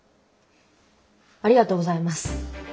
ありがとうございます。